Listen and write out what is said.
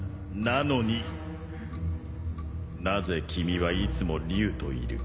なのになぜ君はいつも竜といる？